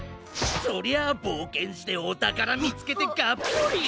そりゃあぼうけんしておたからみつけてがっぽり。